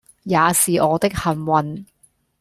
也是我的幸運